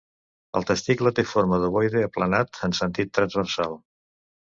El testicle té forma d'ovoide aplanat en sentit transversal.